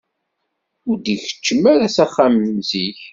Ur d-ikeččem ara s axxam zik.